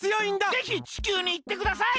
ぜひ地球にいってください！